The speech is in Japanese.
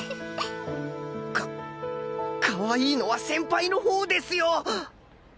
かかわいいのは先輩のほうですよ！